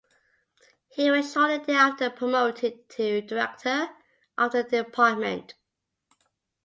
He was shortly thereafter promoted to director of the department.